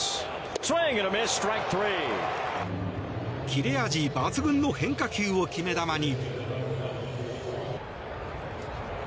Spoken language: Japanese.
切れ味抜群の変化球を決め球に。